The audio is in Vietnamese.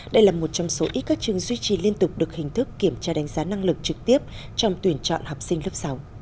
đây là một trong số ít các trường duy trì liên tục được hình thức kiểm tra đánh giá năng lực trực tiếp trong tuyển chọn học sinh lớp sáu